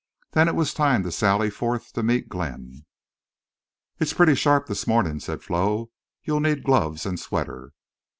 Then it was time to sally forth to meet Glenn. "It's pretty sharp this mawnin'," said Flo. "You'll need gloves and sweater."